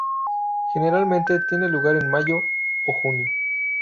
Generalmente tiene lugar en mayo o junio.